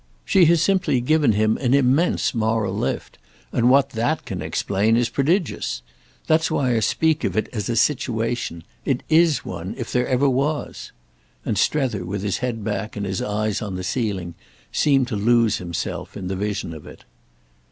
She has simply given him an immense moral lift, and what that can explain is prodigious. That's why I speak of it as a situation. It is one, if there ever was." And Strether, with his head back and his eyes on the ceiling, seemed to lose himself in the vision of it.